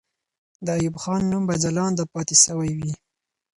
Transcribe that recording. د ایوب خان نوم به ځلانده پاتې سوی وي.